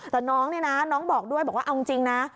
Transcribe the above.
แต่น้องเนี่ยนะน้องบอกด้วยบอกว่าเอาจริงนะ